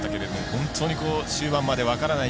本当に終盤まで分からない